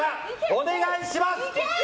お願いします。